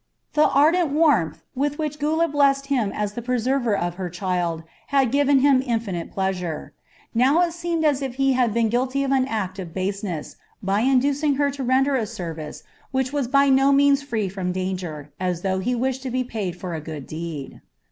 The ardent warmth with which Gula blessed him as the preserver of her child had given him infinite pleasure. Now it seemed as if he had been guilty of an act of baseness by inducing her to render a service which was by no means free from danger, as though he wished to be paid for a good deed.